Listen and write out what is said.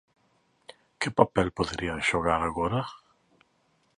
Que papel poderían xogar agora?